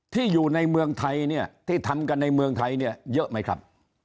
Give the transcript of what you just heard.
ที่อยู่ในเมืองไทยเนี่ยที่ทำกันในเมืองไทยเนี่ยเยอะไหมครับ